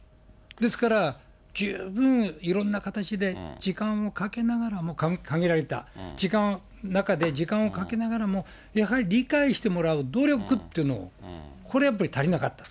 ですから、十分いろんな形で、時間をかけながらも、限られた時間の中で、時間をかけながらも、やはり理解してもらう努力っていうのを、これやっぱり足りなかった。